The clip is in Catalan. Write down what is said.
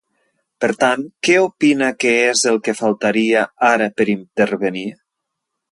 Per tant, què opina que és el que faltaria ara per intervenir?